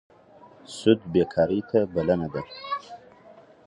سود بېکارۍ ته بلنه ده.